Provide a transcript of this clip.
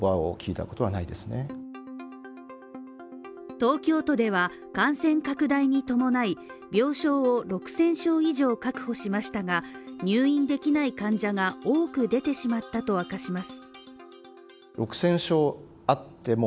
東京都では感染拡大に伴い、病床を６０００床以上確保しましたが、入院できない患者が多く出てしまったと明かします。